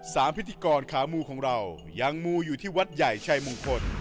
พิธีกรขามูของเรายังมูอยู่ที่วัดใหญ่ชัยมงคล